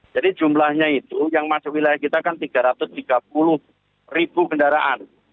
jadi jumlahnya itu yang masuk wilayah kita kan tiga ratus tiga puluh kendaraan